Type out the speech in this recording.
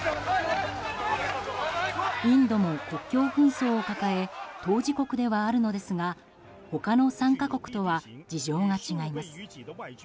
インドも国境紛争を抱え当事国ではあるのですが他の３か国とは事情が違います。